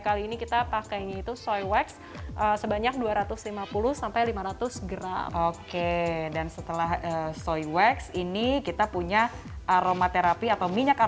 kali ini kita pakainya itu soy wax sebanyak dua ratus lima puluh sampai lima ratus gram oke dan setelah soy wax ini kita punya aromaterapi atau minyak